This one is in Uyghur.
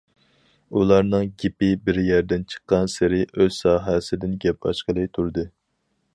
ئۇلارنىڭ گېپى بىر يەردىن چىققانسېرى ئۆز ساھەسىدىن گەپ ئاچقىلى تۇردى.